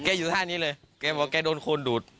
อยู่ท่านี้เลยแกบอกแกโดนโคนดูด